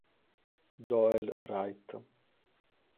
Joel Wright